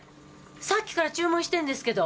さっきから注文してんですけど。